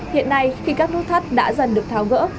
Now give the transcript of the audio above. hiện nay khi các nút thắt đã dần được tháo gỡ